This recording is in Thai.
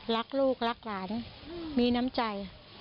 รักลูกรักหลานมีน้ำใจ